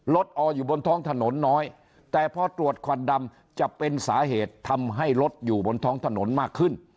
อออยู่บนท้องถนนน้อยแต่พอตรวจควันดำจะเป็นสาเหตุทำให้รถอยู่บนท้องถนนมากขึ้น